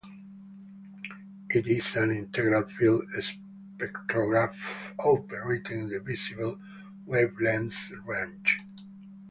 It is an integral-field spectrograph operating in the visible wavelength range.